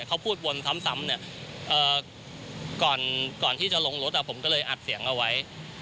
เขาพูดวนซ้ำเนี่ยก่อนที่จะลงรถผมก็เลยอัดเสียงเอาไว้